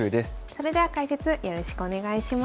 それでは解説よろしくお願いします。